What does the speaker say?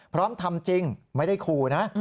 พร้อมทำจริงไม่ได้ขู่นะ